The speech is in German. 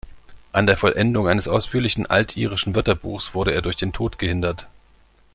An der Vollendung eines ausführlichen altirischen Wörterbuchs wurde er durch den Tod gehindert.